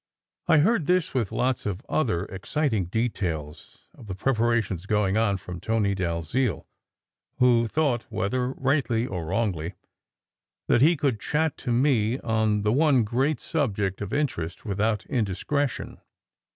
I heard this, with lots of other exciting details of the preparations going on, from Tony Dalziel, who thought whether rightly or wrongly that he could chat to me on the one great subject of interest without indiscretion.